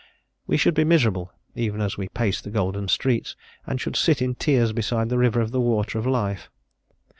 We should be miserable even as we paced the golden streets, and should sit in tears beside the river of the water of life.